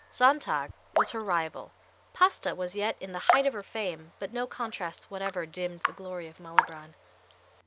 Sontag was her rival, Pasta was yet in the height of her fame, but no contrasts whatever dimmed the glory of Malibran.